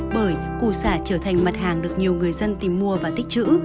bởi củ xả trở thành mặt hàng được nhiều người dân tìm mua và tích trữ